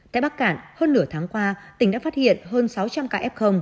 tại bắc cạn hơn nửa tháng qua tỉnh đã phát hiện hơn sáu trăm linh ca f